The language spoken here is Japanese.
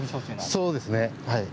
そうですね。